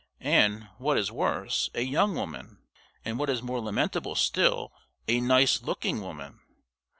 and, what is worse, a young woman! and, what is more lamentable still, a nice looking woman!